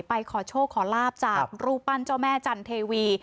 ขอโชคขอลาบจากรูปปั้นเจ้าแม่จันเทวี